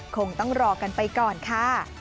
คงต้องรอกันไปก่อนค่ะ